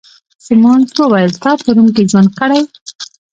سیمونز وویل: تا په روم کي ژوند کړی؟